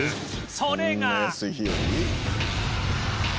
それが